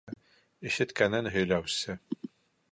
- Ишеткәнен һөйләүсе.